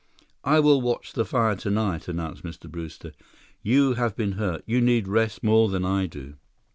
"I will watch the fire tonight," announced Mr. Brewster. "You have been hurt. You need rest more than I do."